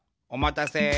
おまたせ。